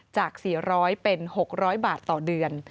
จาก๔๐๐เป็น๖๐๐บาทต่อเดือน